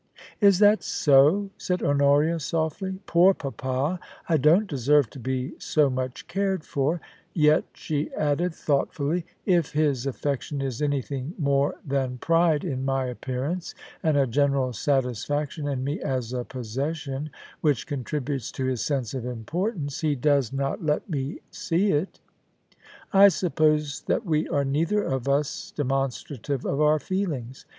* Is that so ?* said Honoria, softly. * Poor papa ! I don't deserve to be so much cared for. Yet,' she added thought fully, * if his affection is anything more than pride in my appearance, and a general satisfaction in me as a possession which contributes to his sense of importance, he does not 6—2 84 POLICY AND PASSION. let me see it I suppose that we are neither of us demon strative of our feelings.